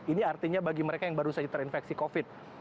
ini artinya bagi mereka yang baru saja terinfeksi covid